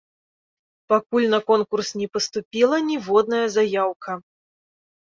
Пакуль на конкурс не паступіла ніводная заяўка.